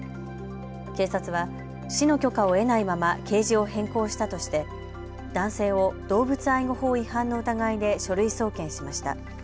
警察は市の許可を得ないままケージを変更したとして男性を動物愛護法違反の疑いで書類送検しました。